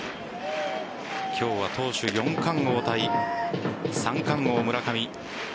今日は投手４冠王対三冠王・村上